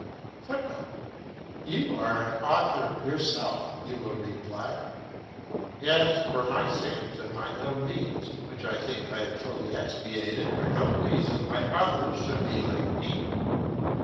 [Footnote: You are an author yourself, you will reply. Yes, for my sins; and my ill deeds, which I think I have fully expiated, are no reason why others should be like me.